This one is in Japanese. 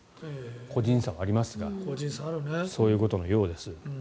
個人差はありますがそういうことのようです。